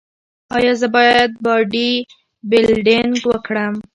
ایا زه باید باډي بلډینګ وکړم؟